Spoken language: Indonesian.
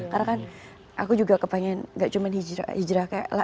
karena kan aku juga kepengen gak cuma hijrah